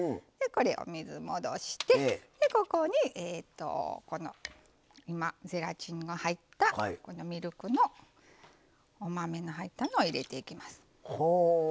お水戻してここにゼラチンの入ったミルクのお豆の入ったのを入れていきます。